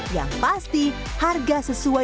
yang pasti harga sesuai